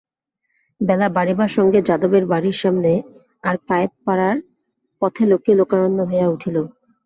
বেলা বাড়িবার সঙ্গে যাদবের বাড়ির সামনে আর কায়েতপাড়ার পথে লোকে লোকারণ্য হইয়া উঠিল।